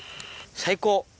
最高。